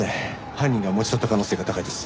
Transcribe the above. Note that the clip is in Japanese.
犯人が持ち去った可能性が高いです。